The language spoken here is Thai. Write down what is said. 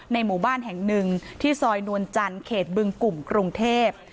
หมู่บ้านแห่งหนึ่งที่ซอยนวลจันทร์เขตบึงกลุ่มกรุงเทพ